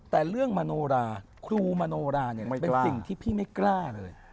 แต่เรื่องมโนราครูมโนราเนี่ยเป็นสิ่งที่พี่ไม่กล้าเลย